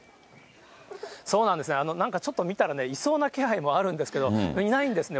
そうなんですね、なんかちょっと見たらね、いそうな気配もあるんですけれども、いないんですね。